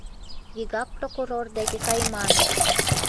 Вигак прокурор деке кайыман.